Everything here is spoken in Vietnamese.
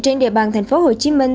trên địa bàn thành phố hồ chí minh